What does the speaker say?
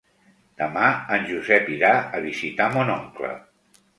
Demà en Josep irà a visitar mon oncle.